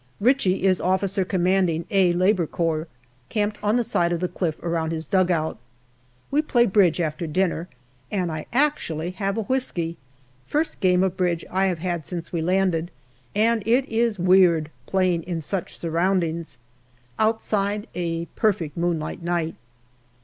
Ritchie is O.C. a Labour Corps, camped on the side of the cliff around his dugout. We play bridge after dinner, and I actually have a whisky. First game of bridge I have had since we landed, and it is weird playing in such surroundings. Outside, a perfect moonlight night.